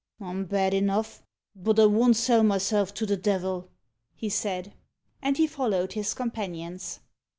"I'm bad enough but I won't sell myself to the devil," he said. And he followed his companions.